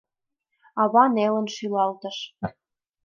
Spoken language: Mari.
Ава нелын шӱлалтыш.